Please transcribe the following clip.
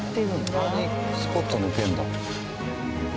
あんなにスポッと抜けるんだ。